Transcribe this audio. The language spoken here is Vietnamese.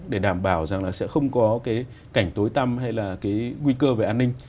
để đảm bảo rằng là sẽ không có cái cảnh tối tâm hay là cái nguy cơ về an ninh